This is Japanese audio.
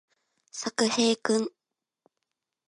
作並くん